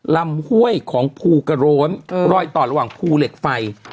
ห้วยของภูกระโร้นรอยต่อระหว่างภูเหล็กไฟ